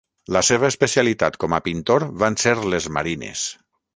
La seva especialitat com a pintor van ser les marines.